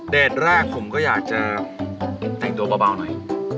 แรกผมก็อยากจะแต่งตัวเบาหน่อย